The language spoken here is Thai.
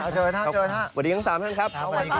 สวัสดีครับทั้ง๓ท่านครับ